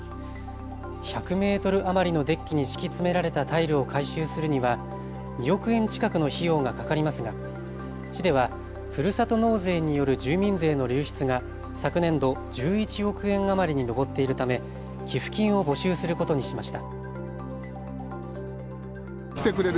１００メートル余りのデッキに敷き詰められたタイルを改修するには２億円近くの費用がかかりますが市ではふるさと納税による住民税の流出が昨年度１１億円余りに上っているため寄付金を募集することにしました。